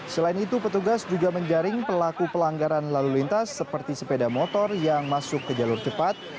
selain itu petugas juga menjaring pelaku pelanggaran lalu lintas seperti sepeda motor yang masuk ke jalur cepat